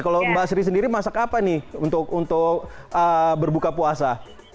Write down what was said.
kalau mbak sri sendiri masak apa nih untuk berbuka puasa